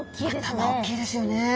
頭おっきいですよね。